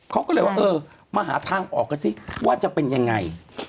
เขาก็เลยว่าเออมาหาทางออกกันสิว่าจะเป็นยังไง